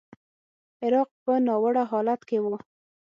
عراق په ناوړه حالت کې و.